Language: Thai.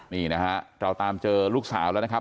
นี่นะฮะเราตามเจอลูกสาวแล้วนะครับ